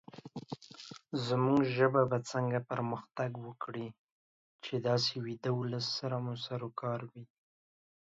زمونږ ژبه به څنګه پرمختګ وکړې، چې داسې ويده ولس سره مو سروکار وي